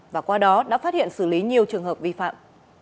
và qua đó đã phát hiện xử lý nhiều trường hợp vi phạm